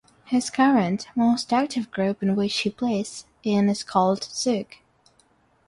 His current, most active group in which he plays in is called Zook.